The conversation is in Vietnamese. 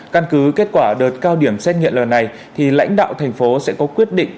căn cứ kết quả đợt cao điểm xét nghiệm lần này thì lãnh đạo thành phố sẽ có quyết định